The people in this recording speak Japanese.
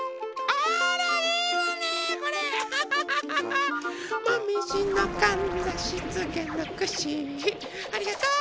ありがとう。